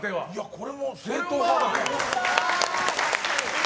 これも正統派だね。